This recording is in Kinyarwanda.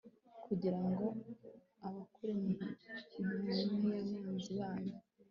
kugira ngo abakure mu minwe y'abanzi banyu